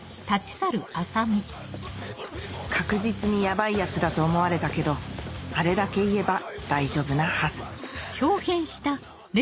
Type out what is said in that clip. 確実にヤバいヤツだと思われたけどあれだけ言えば大丈夫なはず